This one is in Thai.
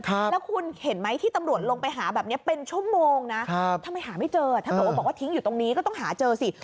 แล้วคุณเห็นไหมที่ตำรวจลงไปหาแบบนี้เป็นชั่วโมงนะทำไมหาไม่เจอถ้าเกิดว่าบอกว่าทิ้งอยู่ตรงนี้ก็ต้องหาเจอสิ